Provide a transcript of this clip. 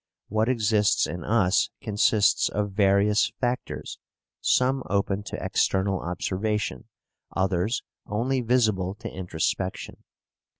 What exists in us consists of various factors, some open to external observation, others only visible to introspection.